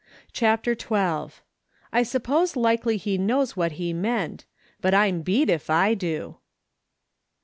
CHAPTER XII. «/ SUPPOSE LIKELY HE KNOWS WHAT HE MEANT, BUT TM BEAT IF I DO!"